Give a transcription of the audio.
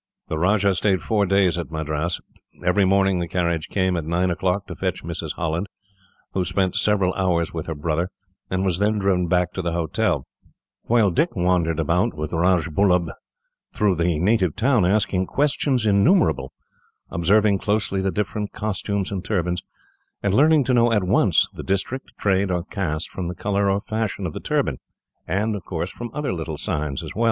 The Rajah stayed four days at Madras. Every morning the carriage came at nine o'clock to fetch Mrs. Holland, who spent several hours with her brother, and was then driven back to the hotel, while Dick wandered about with Rajbullub through the native town, asking questions innumerable, observing closely the different costumes and turbans, and learning to know, at once, the district, trade, or caste, from the colour or fashion of the turban, and other little signs.